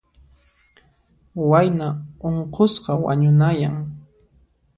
Wayna unqusqa wañunayan.